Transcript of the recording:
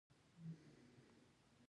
تر ټولو سخته او بده لا دا وه.